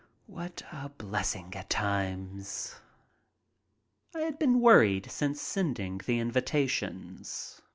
What a blessing at times! I had been worried since sending the invitations.